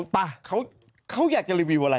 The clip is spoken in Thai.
ผมหัมใหญ่อ่ะ